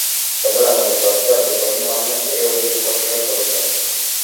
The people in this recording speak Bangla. তবে আওয়ামী লীগ প্রার্থী আবদুর রহিম আহমেদ এ অভিযোগ অস্বীকার করেছেন।